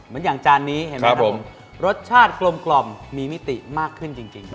อย่างจานนี้เห็นไหมครับผมรสชาติกลมมีมิติมากขึ้นจริง